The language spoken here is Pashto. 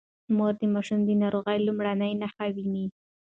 مور د ماشوم د ناروغۍ لومړنۍ نښې ويني.